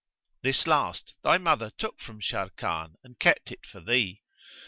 This last thy mother took from Sharrkan and kept it for thee.